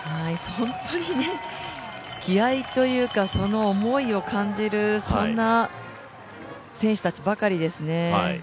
本当に気合いというかその思いを感じる、そんな選手たちばかりですね。